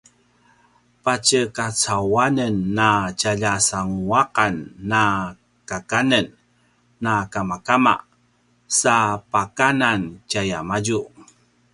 patjekacauanen a tjalja sanguaqan a kakanen na kamakama sa pakanan tjayamadju